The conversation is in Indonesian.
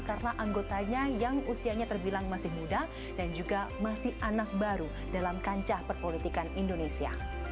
karena anggotanya yang usianya terbilang masih muda dan juga masih anak baru dalam kancah perpolitikan indonesia